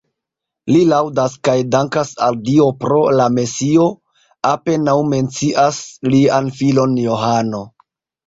Li laŭdas kaj dankas al Dio pro la Mesio, apenaŭ mencias lian filon Johano.